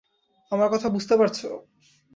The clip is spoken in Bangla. আমার কথা বুঝতে পারছ?